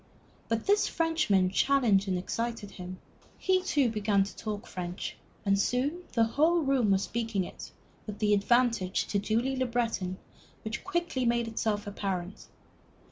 But this Frenchman challenged and excited him. He, too, began to talk French, and soon the whole room was talking it, with an advantage to Julie Le Breton which quickly made itself apparent.